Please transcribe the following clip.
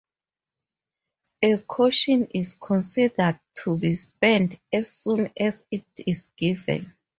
A caution is considered to be spent as soon as it is given.